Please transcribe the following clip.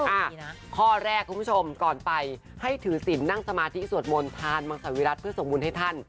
อ้าข้อแรกคุณผู้ชมก่อนไปให้ถือสินนั่งสมาธิสวดมนตร์ทานมังสารวิรัติเพื่อสมบูรณ์ให้ท่าน